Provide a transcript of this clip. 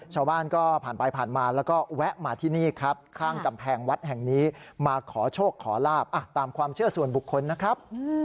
ชาวบ้านก็ผ่านไปผ่านมาแล้วก็แวะมาที่นี่ครับข้างกำแพงวัดแห่งนี้มาขอโชคขอลาบตามความเชื่อส่วนบุคคลนะครับ